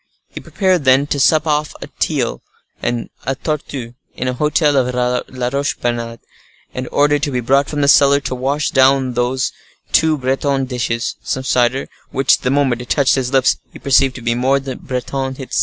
He prepared, then, to sup off a teal and a torteau, in a hotel of La Roche Bernard, and ordered to be brought from the cellar, to wash down these two Breton dishes, some cider, which, the moment it touched his lips, he perceived to be more Breton still.